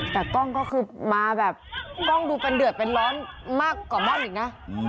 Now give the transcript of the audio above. แต่กล้องก็คือมาแบบกล้องดูเป็นเดือดเป็นร้อนมากกว่าม่อนอีกนะ